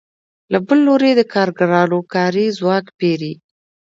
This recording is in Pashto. له بل لوري د کارګرانو کاري ځواک پېري